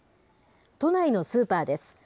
都内のスーパーです。